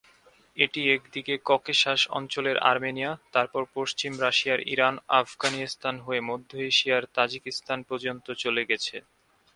এটি একদিকে ককেশাস অঞ্চলের আর্মেনিয়া, তারপর পশ্চিম এশিয়ার ইরান, আফগানিস্তান হয়ে মধ্য এশিয়ার তাজিকিস্তান পর্যন্ত চলে গেছে।